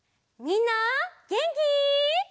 みんなげんき？